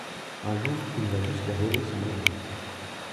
Un jour il va jusqu'à voler son avion.